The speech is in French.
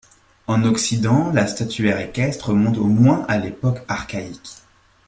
En Occident, la statuaire équestre remonte au moins à l'époque archaïque.